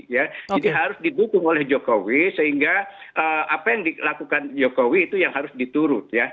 jadi harus didukung oleh jokowi sehingga apa yang dilakukan jokowi itu yang harus diturut